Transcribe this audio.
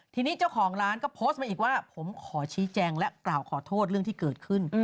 ทีนี้เจ้าของร้านก็โพสต์มาอีกว่าผมขอชี้แจงและกล่าวขอโทษเรื่องที่เกิดขึ้น